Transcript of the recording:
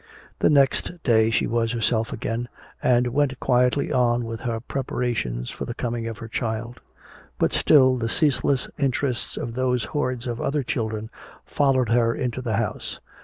The next day she was herself again, and went quietly on with her preparations for the coming of her child. But still the ceaseless interests of those hordes of other children followed her into the house.